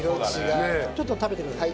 ちょっと食べてください。